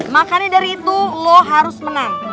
makanya dari itu lo harus menang